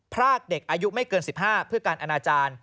พรากเด็กอายุไม่เกิน๑๕เพื่อการอนาจารย์